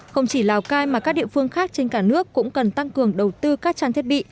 không chỉ lào cai mà các địa phương khác trên cả nước cũng cần tăng cường đầu tư các trang thiết bị